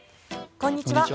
こんにちは。